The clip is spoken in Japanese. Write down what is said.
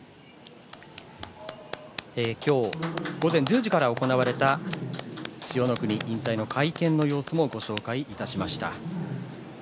今日午前１０時から行われた千代の国、引退の会見の様子をご紹介いたしました。